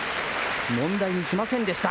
問題にしませんでした。